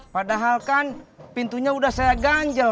padahal kan pintunya udah saya ganjel